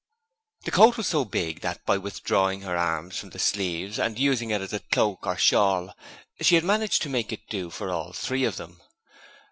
The coat was so big that by withdrawing her arms from the sleeves and using it as a cloak or shawl she had managed to make it do for all three of them.